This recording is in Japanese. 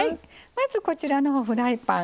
まずこちらのほうフライパン。